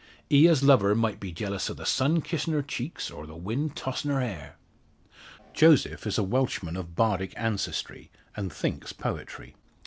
He as love her might be jealous o' the sun kissing her cheeks, or the wind tossin' her hair!" Joseph is a Welshman of Bardic ancestry, and thinks poetry.